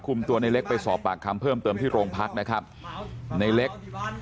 คุมตัวในเล็กไปสอบปากคำเพิ่มเติมที่โรงพักนะครับในเล็ก